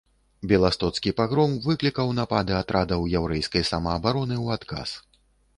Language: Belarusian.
Беластоцкі пагром выклікаў напады атрадаў яўрэйскай самаабароны ў адказ.